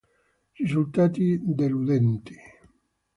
Risultati deludenti.